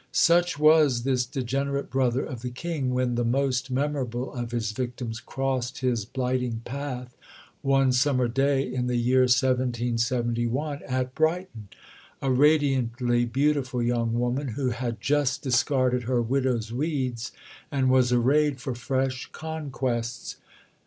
Such was this degenerate brother of the King when the most memorable of his victims crossed his blighting path one summer day in the year 1771, at Brighton a radiantly beautiful young woman who had just discarded her widow's weeds, and was arrayed for fresh conquests.